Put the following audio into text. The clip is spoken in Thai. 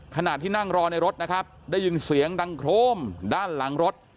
ขณะที่นั่งรอในรถนะครับได้ยินเสียงดังโครมด้านหลังรถ